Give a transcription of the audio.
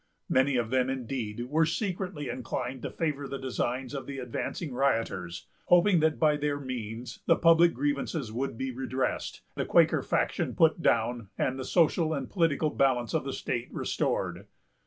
Many of them, indeed, were secretly inclined to favor the designs of the advancing rioters; hoping that by their means the public grievances would be redressed, the Quaker faction put down, and the social and political balance of the state restored.